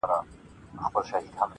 • پر اصفهان دي د تورو شرنګ وو -